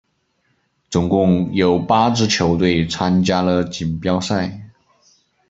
总共有八支球队参加了锦标赛。